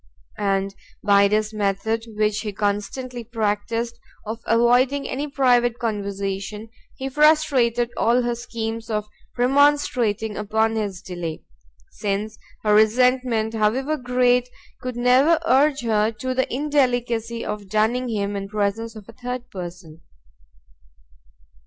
And by this method, which he constantly practised, of avoiding any private conversation, he frustrated all her schemes of remonstrating upon his delay, since her resentment, however great, could never urge her to the indelicacy of dunning him in presence of a third person.